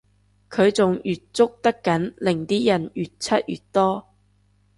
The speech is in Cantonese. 佢仲越捉得緊令啲人越出越多